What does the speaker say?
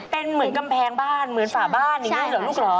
เป็นเหมือนกำแพงบ้านเหมือนฝาบ้านอย่างนี้เหรอลูกเหรอ